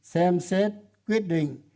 xem xét quyết định